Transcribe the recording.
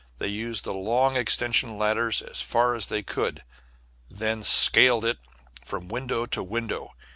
They used the long extension ladders as far as they could, and then "scaled it" from window to window.